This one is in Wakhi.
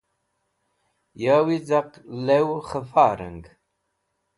Yawi caq lewkhẽfa rang.